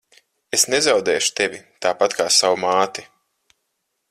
Es nezaudēšu tevi tāpat kā savu māti.